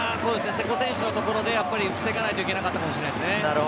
瀬古選手のところ、防がないといけなかったかもしれないですね。